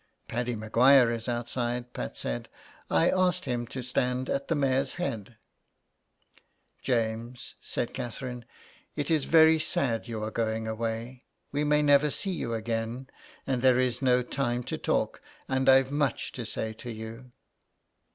'' Paddy Maguire is outside," Pat said; "I asked him to stand at the mare's head." '' James," said Catherine, " it is very sad you are going away. We may never see you again, and there is no time to talk, and I've much to say to you."